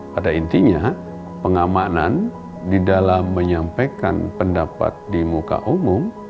pada intinya pengamanan di dalam menyampaikan pendapat di muka umum